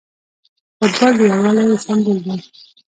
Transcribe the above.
فوټبال د یووالي سمبول دی.